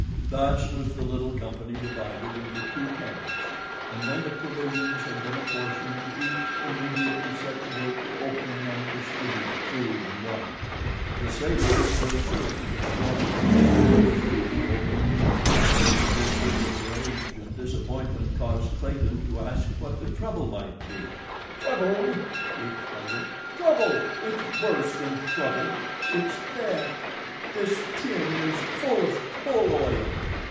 Thus was the little company divided into two camps, and when the provisions had been apportioned each immediately set to work to open and distribute food and water. The sailors were the first to get one of the tins of "food" open, and their curses of rage and disappointment caused Clayton to ask what the trouble might be. "Trouble!" shrieked Spider. "Trouble! It's worse than trouble—it's death! This— tin is full of coal oil!"